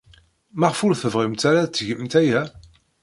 Maɣef ur tebɣimt ara ad tgemt aya?